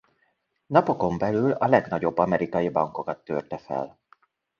Napokon belül a legnagyobb amerikai bankokat törte fel.